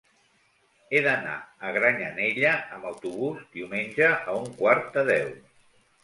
He d'anar a Granyanella amb autobús diumenge a un quart de deu.